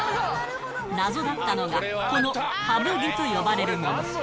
謎だったのが、このハブ毛と呼ばれるもの。